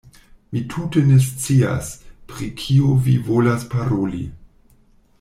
Mi tute ne scias, pri kio vi volas paroli.